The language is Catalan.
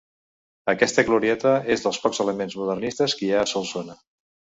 Aquesta glorieta és dels pocs elements modernistes que hi ha Solsona.